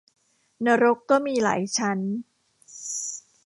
นรกก็มีหลายชั้น